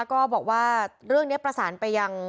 ก็บอกว่าเรื่องนี้ประสานไปยัง